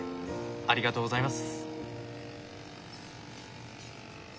ありがとうございます。